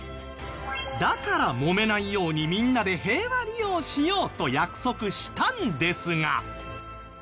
だからもめないようにみんなで平和利用しようと約束したんですが。